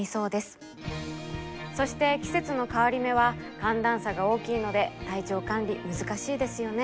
そして季節の変わり目は寒暖差が大きいので体調管理難しいですよね。